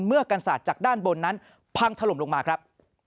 เมื่อกันศาสตร์จากด้านบนนั้นพังถล่มลงมาครับ